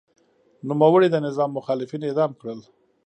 نوموړي د نظام مخالفین اعدام کړل.